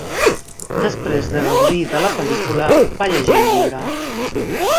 Després de gaudir de la pel·lícula, va llegir el llibre.